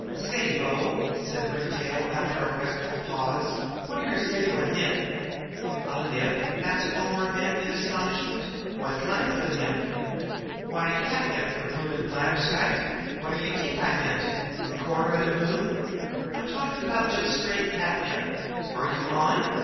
"Say, bo," said Ringtail, after a restful pause, "what do yer say to a nip?" "A nip?" asked Omar Ben in astonishment. "What kind of a nip?" "W'y, a catnip, yer bloomin' bladderskite! Wot did yer t'ink I meant a cornder of de moon? I'm talkin' 'bout jes' straight catnip. Are you on?"